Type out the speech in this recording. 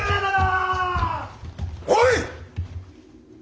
おい！